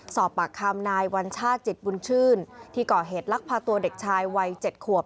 สอบปากคำนายวัญชาติจิตบุญชื่นที่ก่อเหตุลักพาตัวเด็กชายวัย๗ขวบ